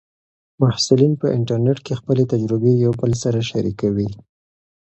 محصلین په انټرنیټ کې خپلې تجربې یو بل سره شریکوي.